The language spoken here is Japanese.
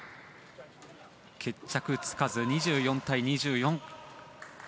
決着つかず２４対２４。